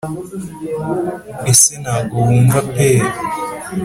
ese ntago wumva pe